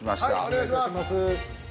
お願いいたします。